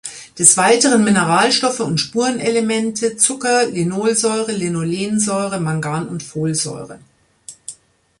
Des Weiteren Mineralstoffe und Spurenelemente, Zucker, Linolsäure, Linolensäure, Mangan und Folsäure.